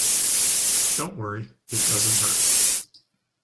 Don't worry, it doesn't hurt.